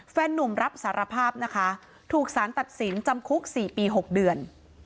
นุ่มรับสารภาพนะคะถูกสารตัดสินจำคุก๔ปี๖เดือน